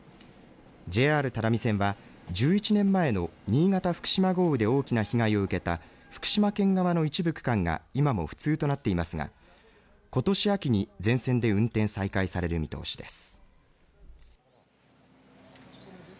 ＪＲ只見線は１１年前の新潟、福島豪雨で大きな被害を受けた福島県側の一部区間が今も不通となっていますがことし秋に全線で運転再開される見通しです。